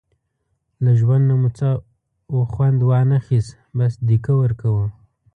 له ژوند نه مو څه وخوند وانخیست، بس دیکه ورکوو.